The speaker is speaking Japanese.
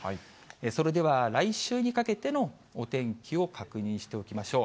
それでは来週にかけてのお天気を確認しておきましょう。